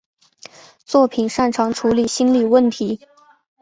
作品擅长处理心理问题。